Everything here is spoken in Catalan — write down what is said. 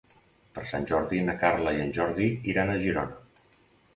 Per Sant Jordi na Carla i en Jordi iran a Girona.